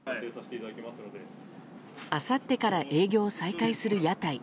あさってから営業再開する屋台。